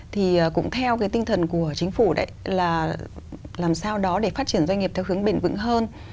thì cũng theo cái tinh thần của chính phủ là làm sao đó để phát triển doanh nghiệp theo hướng bền vững hơn